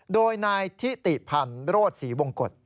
โดยนายทิติพันธ์โรธศรีวงกฎ